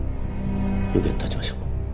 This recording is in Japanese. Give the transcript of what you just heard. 受けて立ちましょう。